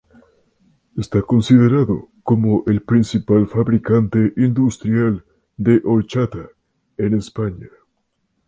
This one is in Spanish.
Está considerado como el principal fabricante industrial de horchata en España.